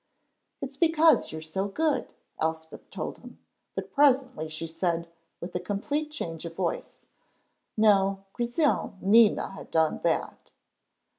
"It's because you're so good," Elspeth told him; but presently she said, with a complete change of voice, "No, Grizel needna have done that."